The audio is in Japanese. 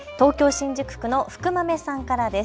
新宿区のフクマメさんからです。